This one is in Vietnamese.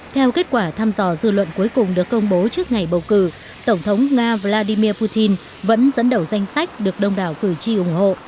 theo kết quả thăm dò dư luận cuối cùng được công bố trước ngày bầu cử tổng thống nga vladimir putin vẫn dẫn đầu danh sách được đông đảo cử tri ủng hộ